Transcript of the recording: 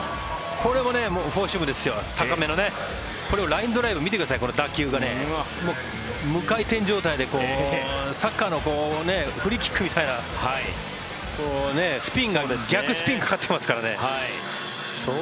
これをラインドライブ見てください、この打球が無回転状態でサッカーのフリーキックみたいなスピンが逆スピンがかかってますからね。